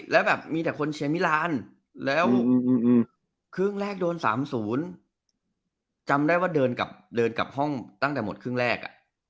แล้วครึ่งแรกโดน๑๙๕๐จำได้ว่าเดินกลับห้องตั้งแต่หมดครึ่งแรก